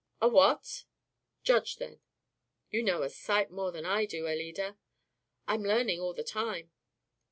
"A what?" "Judge, then." "You know a sight more than I do, Alida." "I'm learning all the time."